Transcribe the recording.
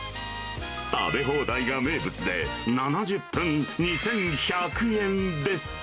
食べ放題が名物で、７０分２１００円です。